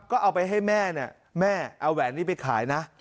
ก็เอาไปให้แม่เนี่ยแม่เอาแหวนนี้ไปขายนะ